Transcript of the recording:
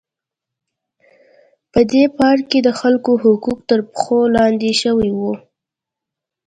په دې پارک کې د خلکو حقوق تر پښو لاندې شوي وو.